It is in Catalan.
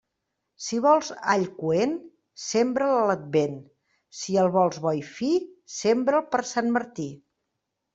Si vols all coent, sembra'l a l'Advent; si el vols bo i fi, sembra'l per Sant Martí.